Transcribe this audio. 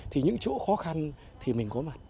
thì những chỗ khó khăn thì mình có mặt